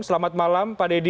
selamat malam pak dedy